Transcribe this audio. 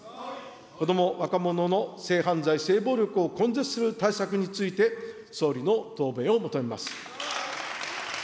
子ども・若者の性犯罪、性暴力を根絶する対策について総理の答弁を求めます。